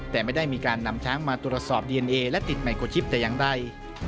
แต่ไม่ได้มีการนำช้างมาตรวจสอบดีเอนเอและติดไมโครชิปแต่อย่างใด